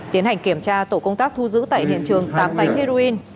tiến hành kiểm tra tổ công tác thu giữ tại hiện trường tám bánh heroin